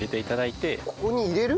ここに入れる？